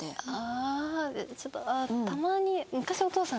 ああちょっとたまに。